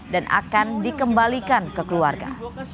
dan akan dikembalikan ke keluarga